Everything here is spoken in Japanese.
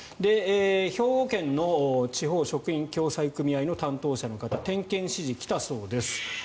兵庫県の地方職員共済組合の担当者の方、点検指示が来たそうです。